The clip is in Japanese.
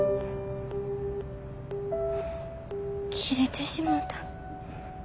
切れてしもた。